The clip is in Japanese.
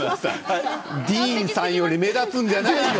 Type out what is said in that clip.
ディーンさんより目立つんじゃないよ。